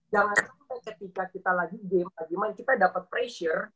jangan sampai ketika kita lagi game lagi main kita dapat pressure